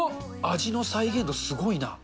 味の再現度すごいな。